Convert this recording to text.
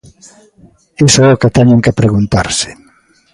Iso é o que teñen que preguntarse.